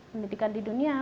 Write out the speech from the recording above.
pendidikan di dunia